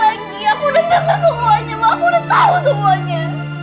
aku udah denger semuanya aku udah tahu semuanya